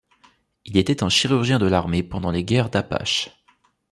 Il était un chirurgien de l'armée pendant les guerres d'Apache.